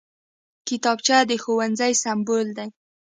کتابچه د ښوونځي سمبول دی